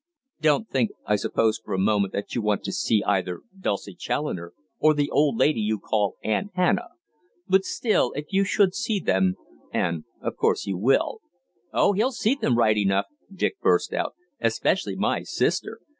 Don't think I suppose for a moment that you want to see either Dulcie Challoner or the old lady you call 'Aunt Hannah,' but still if you should see them, and of course you will " "Oh, he'll see them right enough," Dick burst out, "especially my sister.